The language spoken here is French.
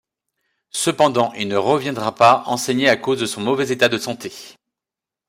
Cependant il ne reviendra pas enseigner à cause de son mauvais état de santé.